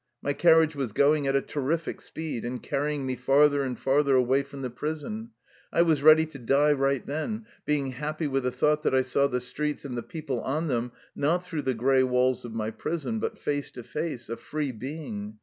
My carriage was going at a terrific speed, and carrying me farther and farther away from the prison. I was ready to die right then, being happy with the thought that I saw the streets and the people on them not through the gray walls of my prison, but face to face, a free being.